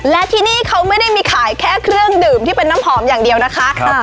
และที่นี่เขาไม่ได้มีขายแค่เครื่องดื่มที่เป็นน้ำหอมอย่างเดียวนะคะ